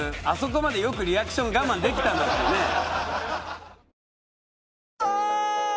あそこまでよくリアクション我慢できたなってね